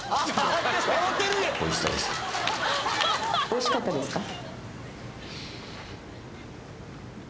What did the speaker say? おいしかったですか？